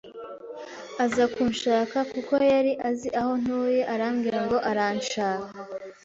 aza kuncaka kuko yari azi aho ntuye arambwira ngo aranshaka,